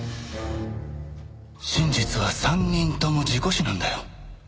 真実は３人とも事故死なんだよ。